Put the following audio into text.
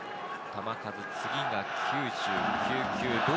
球数、次が９９球。